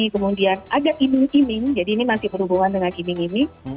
kemudian agak iming iming jadi ini masih berhubungan dengan iming iming